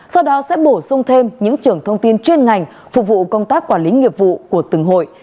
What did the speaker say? sau đó sẽ bổ sung thêm những trưởng thông tin chuyên ngành phục vụ công tác quản lý nghiệp vụ của từng hội